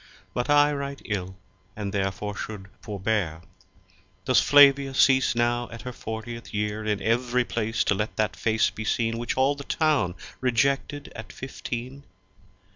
But I write ill and there fore shou'd forbear. Does Flavia cease now at her fortieth year In ev'ry Place to lett that face be seen Which all the Town rejected at fifteen?